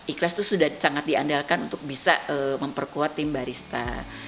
ikhlas itu sudah sangat diandalkan untuk bisa memperkuat tim barista